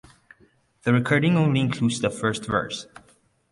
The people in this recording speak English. The recording only includes the first verse.